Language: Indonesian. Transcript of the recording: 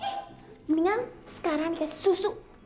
mendingan sekarang dikasih susu